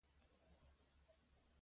احمد ملګري ته د خپل ټولگي انځور وښود.